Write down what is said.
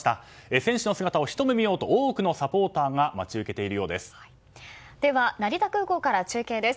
選手の姿をひと目見ようと多くのサポーターがでは、成田空港から中継です。